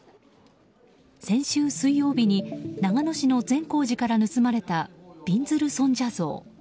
先週水曜日に長野市の善光寺から盗まれたびんずる尊者像。